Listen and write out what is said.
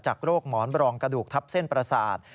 โรคหมอนบรองกระดูกทับเส้นประสาท